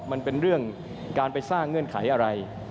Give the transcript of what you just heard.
มันเป็นเรื่องการไปสร้างเงื่อนไขอะไร